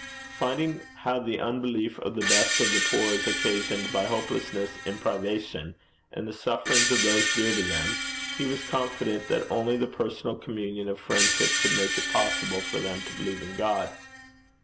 Finding how the unbelief of the best of the poor is occasioned by hopelessness in privation, and the sufferings of those dear to them, he was confident that only the personal communion of friendship could make it possible for them to believe in God.